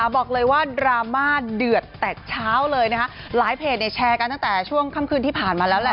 บอกเลยว่าดราม่าเดือดแต่เช้าเลยนะคะหลายเพจเนี่ยแชร์กันตั้งแต่ช่วงค่ำคืนที่ผ่านมาแล้วแหละ